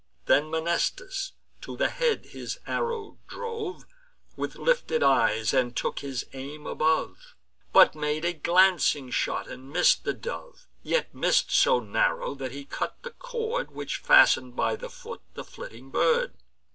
Then Mnestheus to the head his arrow drove, With lifted eyes, and took his aim above, But made a glancing shot, and missed the dove; Yet miss'd so narrow, that he cut the cord Which fasten'd by the foot the flitting bird.